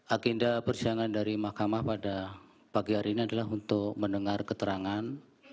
agenda persidangan dari mahkamah pada pagi hari ini adalah untuk mendengar keterangan